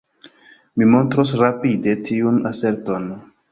Mi montros rapide tiun aserton".